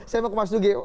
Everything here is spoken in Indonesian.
saya mau ke mas dugi